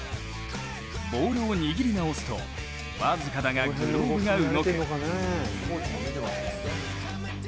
ボールを握り直すと僅かだがグローブが動く。